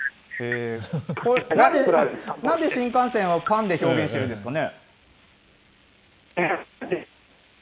なんで新幹線をパンで表現してるんですかね。